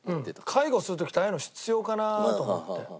介護する時ってああいうの必要かなと思って。